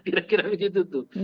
kira kira begitu tuh